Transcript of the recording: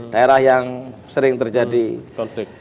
daerah yang sering terjadi konflik